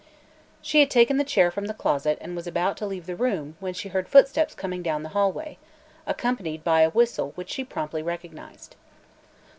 She had taken the chair from the closet and was about to leave the room when she heard footsteps coming down the hallway, accompanied by a whistle which she promptly recognized.